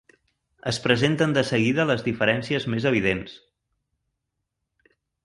Es presenten de seguida les diferències més evidents.